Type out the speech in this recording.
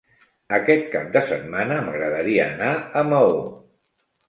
Aquest cap de setmana m'agradaria anar a Maó.